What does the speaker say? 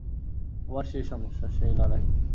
আবার সেই সমস্যা, সেই লড়াই!